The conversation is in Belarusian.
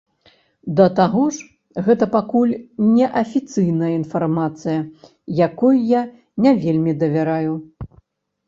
Да таго ж, гэта пакуль неафіцыйная інфармацыя, якой я не вельмі давяраю.